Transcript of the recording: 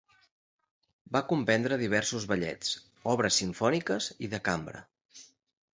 Va compondre diversos ballets, obres simfòniques i de cambra.